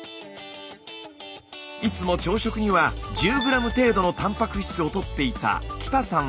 いつも朝食には１０ｇ程度のたんぱく質をとっていた北さんは。